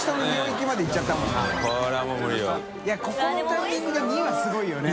いここのタイミングで２はすごいよね。